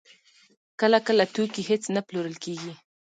کله کله توکي هېڅ نه پلورل کېږي